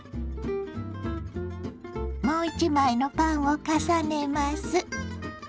もう一枚のパンを重ねます。